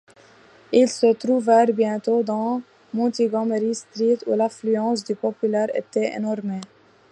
Ils se trouvèrent bientôt dans Montgommery-street, où l’affluence du populaire était énorme.